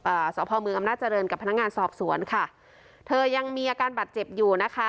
สพเมืองอำนาจริงกับพนักงานสอบสวนค่ะเธอยังมีอาการบาดเจ็บอยู่นะคะ